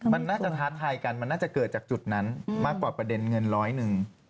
มันน่าจะท้าทายกันมันน่าจะเกิดจากจุดนั้นมากกว่าประเด็นเงินร้อยหนึ่ง